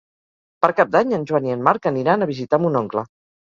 Per Cap d'Any en Joan i en Marc aniran a visitar mon oncle.